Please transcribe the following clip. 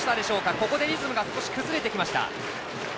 ここでリズムが少し崩れてきました。